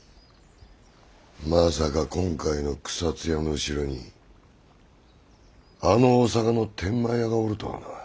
まさか今回の草津屋の後ろにあの大坂の天満屋がおるとはな。